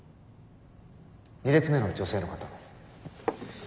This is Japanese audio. ２列目の女性の方。